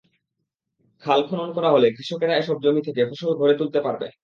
খাল খনন করা হলে কৃষকেরা এসব জমি থেকে ফসল ঘরে তুলতে পারবেন।